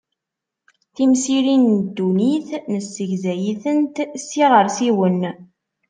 Timsirin n dunnit nessegzay-itent s yiɣersiwen.